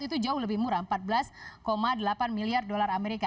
itu jauh lebih murah empat belas delapan miliar dolar amerika